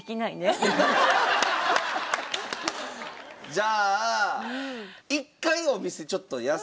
じゃあ。